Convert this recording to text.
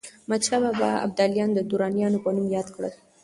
احمدشاه بابا ابداليان د درانیانو په نوم ياد کړل.